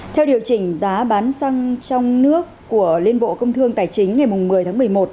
theo điều chỉnh giá bán xăng trong nước của liên bộ công thương tài chính ngày một mươi tháng một mươi một